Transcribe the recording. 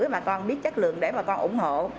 bà con biết chất lượng để bà con ủng hộ